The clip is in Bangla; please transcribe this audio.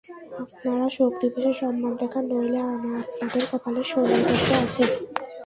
আপনারা শোক দিবসে সম্মান দেখান, নইলে আপনাদের কপালে শনির দশা আছে।